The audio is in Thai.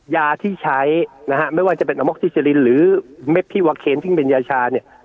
ยาที่ใช้นะฮะไม่ว่าจะเป็นอม็อกซิเจลินหรือเม็ดพี่วาเคนซึ่งเป็นยาชาเนี่ย